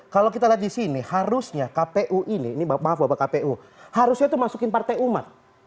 kalau kita lihat di sini harusnya kpu ini ini maaf bapak kpu harusnya itu masukin partai umat